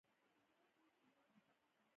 پروژې څنګه کیفیت پیدا کوي؟